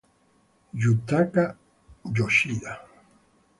Yutaka Yoshida